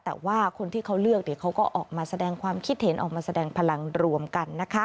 แต่ว่าคนที่เขาเลือกเขาก็ออกมาแสดงความคิดเห็นออกมาแสดงพลังรวมกันนะคะ